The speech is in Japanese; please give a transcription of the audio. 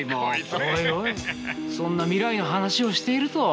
おいおいそんな未来の話をしていると。